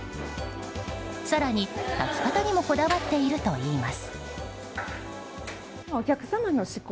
更に、炊き方にもこだわっているといいます。